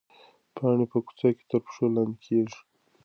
پاڼې په کوڅو کې تر پښو لاندې کېږي.